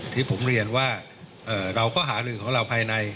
ที่ผมเรียนว่าเราก็หาลือของเราภายใน